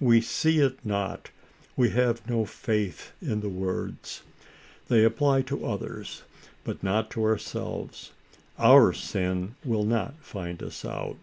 We see it not ; we have no faith in the words. They apply to others, but not to ourselves. Our sin will not find us out.